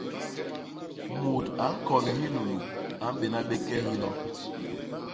Mut a ñkon hilulu a mbéna bé ke hilo.